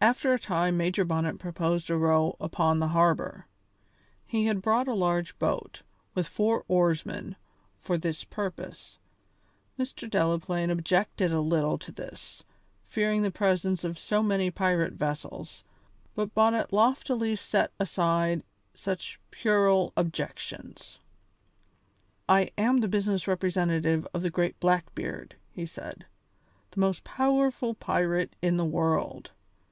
After a time Major Bonnet proposed a row upon the harbour he had brought a large boat, with four oarsmen, for this purpose. Mr. Delaplaine objected a little to this, fearing the presence of so many pirate vessels, but Bonnet loftily set aside such puerile objections. "I am the business representative of the great Blackbeard," he said, "the most powerful pirate in the world.